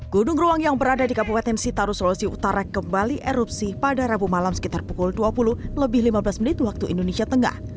gudung ruang yang berada di kabupaten sitaru sulawesi utara kembali erupsi pada rabu malam sekitar pukul dua puluh lebih lima belas menit waktu indonesia tengah